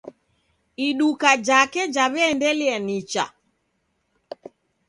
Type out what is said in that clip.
Iduka jake jaweendelea nicha